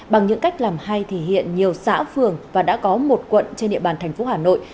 bằng những cách làm hay thì hiện nhiều xã phường và đã có một quận trên địa bàn thành phố hà nội